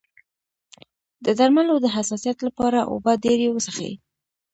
د درملو د حساسیت لپاره اوبه ډیرې وڅښئ